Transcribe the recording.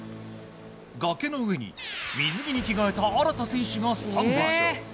崖の上に水着に着替えた荒田選手がスタンバイ。